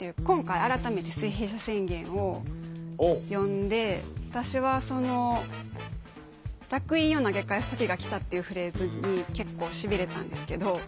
今回改めて水平社宣言を読んで私はその「烙印を投げ返す時が来た」っていうフレーズに結構しびれたんですけど。